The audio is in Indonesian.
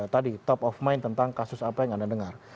tadi top of mind tentang kasus apa yang anda dengar